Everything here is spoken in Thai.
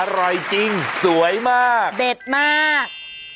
อร่อยจริงสวยมากเด็ดมาก